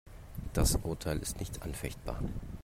Das Urteil ist nicht anfechtbar.